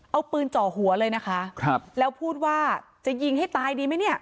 เอาปืนเจาะหัวเลยนะคะครับแล้วพูดว่าจะยิงให้ตายดีไหมเนี่ย